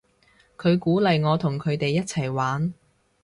佢鼓勵我同佢哋一齊玩